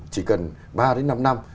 chỉ cần ba đến năm năm